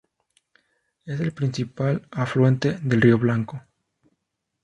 Es el principal afluente del río Blanco